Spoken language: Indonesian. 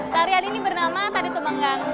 tarian ini bernama tari temenggang